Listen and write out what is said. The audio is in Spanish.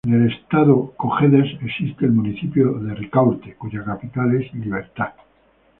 En el estado Cojedes existe el municipio Ricaurte, cuya capital es Libertad.